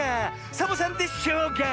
サボさんで「しょうが」！